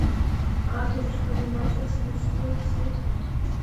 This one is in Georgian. კალთების ქვედა ნაწილი შემოსილია ხშირი ტყით.